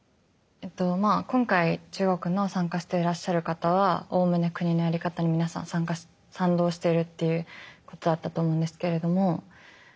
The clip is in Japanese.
今回中国の参加していらっしゃる方はおおむね国のやり方に皆さん賛同しているっていうことだったと思うんですけれども。